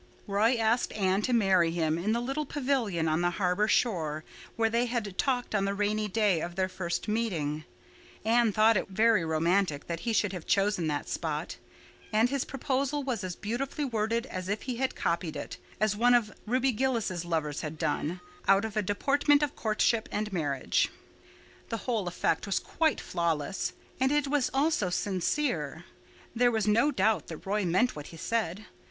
Roy asked Anne to marry him in the little pavilion on the harbor shore where they had talked on the rainy day of their first meeting. Anne thought it very romantic that he should have chosen that spot. And his proposal was as beautifully worded as if he had copied it, as one of Ruby Gillis' lovers had done, out of a Deportment of Courtship and Marriage. The whole effect was quite flawless. And it was also sincere. There was no doubt that Roy meant what he said.